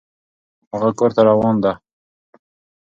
هغه کور ته روان ده